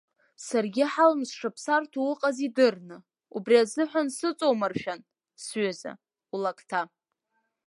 Саргьы ҳаламыс сшаԥсацарҭоу уҟаз идырны, убри азыҳәан сыҵумыршәан, сҩыза, улакҭа.